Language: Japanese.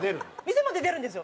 店まで出るんですよ。